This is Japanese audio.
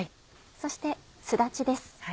そしてすだちです。